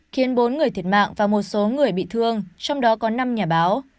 khiến bốn người thiệt mạng và một số người bị thương trong đó có năm nhà báo